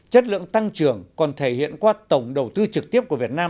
chất lượng tăng trưởng còn thể hiện qua tổng đầu tư trực tiếp của việt nam